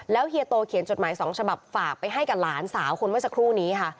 เฮียโตเขียนจดหมายสองฉบับฝากไปให้กับหลานสาวคนเมื่อสักครู่นี้ค่ะ